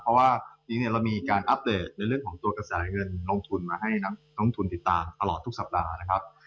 เพราะว่าจริงเรามีการอัปเดตในเรื่องของตัวกระแสเงินลงทุนมาให้นักลงทุนติดตามตลอดทุกสัปดาห์นะครับ